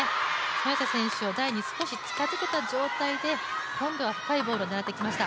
孫エイ莎を少し台に近づけた状態で、今度は深いボールを狙ってきました。